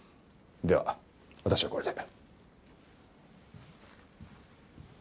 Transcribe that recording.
では私はこれで。